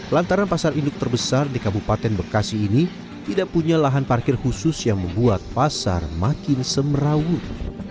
lantaran pasar induk terbesar di kabupaten bekasi ini tidak punya lahan parkir khusus yang membuat pasar makin semerawut